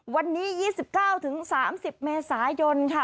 วันนี้๒๙๓๐เมษายนค่ะ